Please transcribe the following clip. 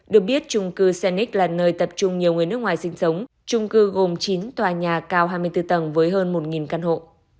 được biết trung cư senic là nơi tập trung nhiều người nước ngoài sinh sống trung cư gồm chín tòa nhà cao hai mươi bốn tầng với hơn một căn hộ